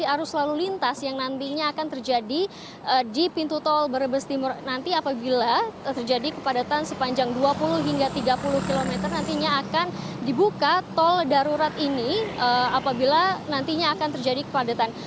arus lalu lintas yang nantinya akan terjadi di pintu tol brebes timur nanti apabila terjadi kepadatan sepanjang dua puluh hingga tiga puluh km nantinya akan dibuka tol darurat ini apabila nantinya akan terjadi kepadatan